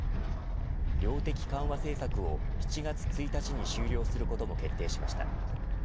量的緩和政策を７月１日に終了することも決定しました。